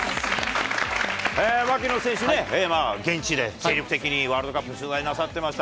槙野選手ね、現地で精力的にワールドカップ取材なさってました。